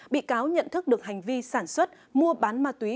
bị cáo nhận thức được hành vi sản xuất mua bán ma túy